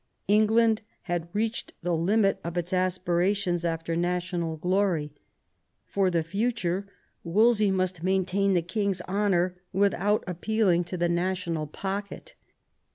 England had reached the limit of its aspira tions after national glory. For the future Wolsey must maintain the king's honour without appealing to the national pocket.